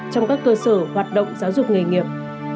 trong các cơ sở hoạt động giáo dục nghề nghiệp